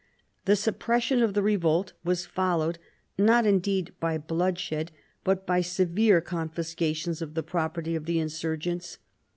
The suppression of the revolt was followed, not indeed by bloodshed, but by severe confiscations of the property of the insurgents.